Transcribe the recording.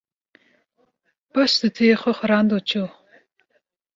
Paş stûyê xwe xurand û çû